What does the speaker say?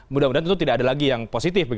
mudah mudahan tentu tidak ada lagi yang positif